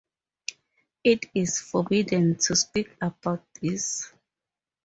It is forbidden to speak about these.